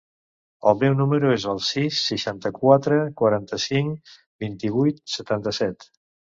El meu número es el sis, seixanta-quatre, quaranta-cinc, vint-i-vuit, setanta-set.